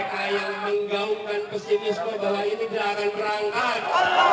mereka yang menggaumkan pesimisme bahwa ini tidak akan berangkat